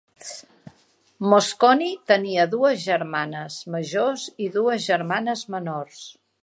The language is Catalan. Mosconi tenia dues germanes majors i dos germans menors.